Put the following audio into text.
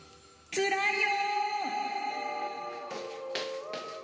つらいよー！